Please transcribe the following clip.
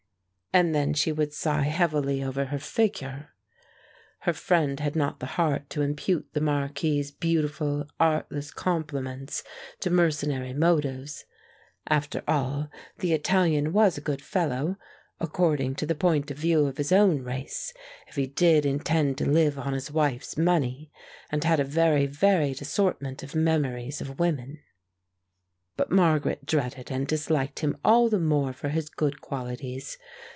And then she would sigh heavily over her figure. Her friend had not the heart to impute the marquis's beautiful, artless compliments to mercenary motives. After all, the Italian was a good fellow, according to the point of view of his own race, if he did intend to live on his wife's money, and had a very varied assortment of memories of women. But Margaret dreaded and disliked him all the more for his good qualities.